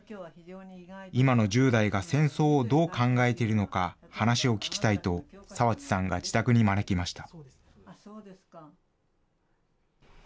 今の１０代が戦争をどう考えているのか、話を聞きたいと、澤地さんが自宅に招きました。